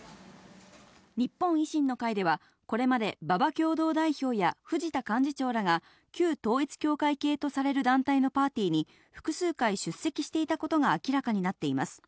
日本維新の会では、これまで馬場共同代表や藤田幹事長らが、旧統一教会系とされる団体のパーティーに、複数回出席していたことが明らかになっています。